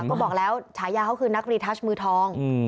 ก็บอกแล้วฉายาเขาคือนักรีทัชมือทอง